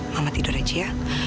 mama tidur aja ya